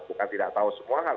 bukan tidak tahu semua hal